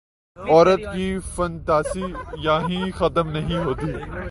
عورت کی فنتاسی یہیں ختم نہیں ہوتی۔